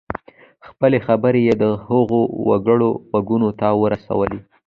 خپلې خبرې یې د هغو وګړو غوږونو ته ورسولې.